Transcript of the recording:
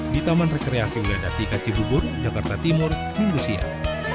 di taman rekreasi widadatika cibubur jakarta timur minggu siang